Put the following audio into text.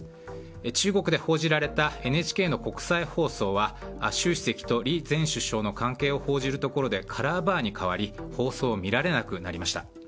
中国で報じられたＮＨＫの国際放送は習主席と李前首相の関係を報じるところでカラーバーに変わり放送が見られなくなりました。